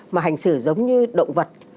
mà hành xử giống như động vật